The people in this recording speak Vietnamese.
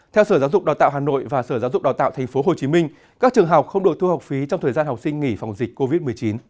theo sở giáo dục đào tạo hà nội và sở giáo dục đào tạo tp hcm các trường học không được thu học phí trong thời gian học sinh nghỉ phòng dịch covid một mươi chín